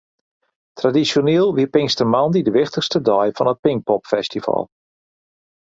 Tradisjoneel wie pinkstermoandei de wichtichste dei fan it Pinkpopfestival.